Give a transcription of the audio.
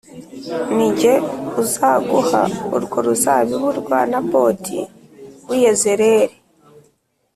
Ni jye uzaguha urwo ruzabibu rwa Naboti w’i Yezerēli